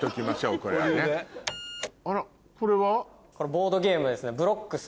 ボードゲームですね。